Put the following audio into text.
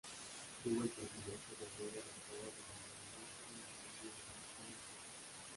Tuvo el privilegio de haber orientado de manera muy significativa a Martha Argerich.